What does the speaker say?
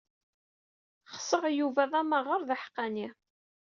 Xseɣ Yuba d amaɣer d aḥeqqani.